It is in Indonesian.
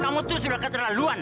kamu tuh sudah keterlaluan